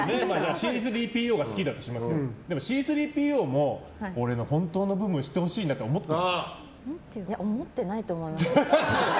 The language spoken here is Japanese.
Ｃ３ＰＯが好きだとしますよでもＣ３ＰＯも俺の本当の部分知ってほしいって思ってる。